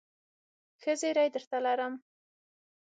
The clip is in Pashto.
ښه زېری درته لرم ..